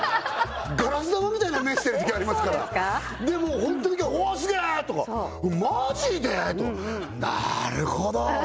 ガラス玉みたいな目してる時ありますからでもホントの時は「おおスゲェ！」とか「マジで！？」とか「なるほど」